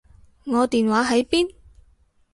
我電話喺邊？